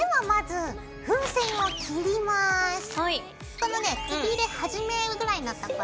このねくびれ始めぐらいのところ。